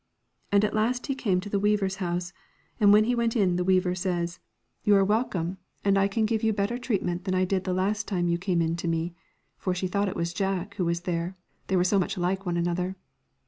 And at last he came to the weaver's house, and when he went in, the weaver says, ' You 226 are welcome, and I can give you better Dreams treatment than I did the last time you no Moral. came in to me,' for she thought it was Jack who was there, they were so much like one another.